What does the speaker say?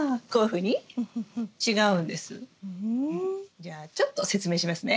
じゃあちょっと説明しますね。